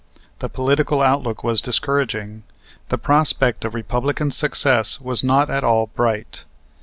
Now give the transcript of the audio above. The political outlook was discouraging. The prospect of Republican success was not at all bright.